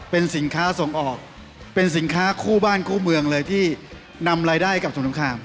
เป็นสินค้าส่งออกเป็นสินค้าคู่บ้านคู่เมืองเลยที่นำรายได้กับสงคราม